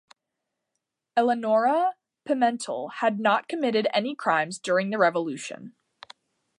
Eleonora Pimentel had not committed any crimes during the revolution.